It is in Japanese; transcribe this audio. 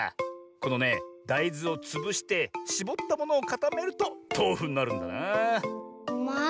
このねだいずをつぶしてしぼったものをかためるととうふになるんだなあ。